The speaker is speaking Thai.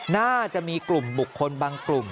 น่าจะมีกลุ่มบุคคลบางกลุ่ม